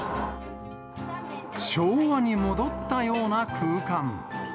昭和に戻ったような空間。